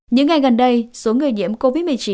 những ngày gần đây số người nhiễm covid một mươi chín